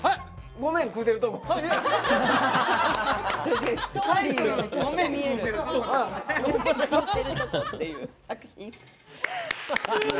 「ごめん、食うてるとこ」。